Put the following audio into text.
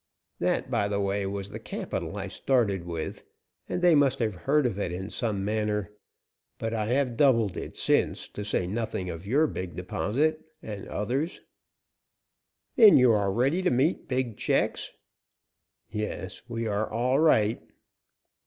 That, by the way, was the capital I started with, and they must have heard of it in some manner. But I have doubled it since, to say nothing of your big deposit, and others." "Then you are ready to meet big checks?" "Yes, we are all right."